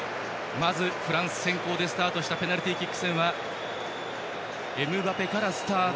まずフランス先攻でスタートしたペナルティーキック戦はエムバペからスタート。